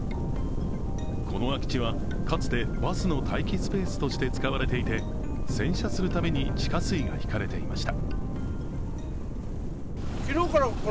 この空き地はかつてバスの待機スペースとして使われていて洗車するために地下水が引かれていました。